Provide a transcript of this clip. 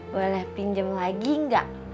boleh pinjam lagi gak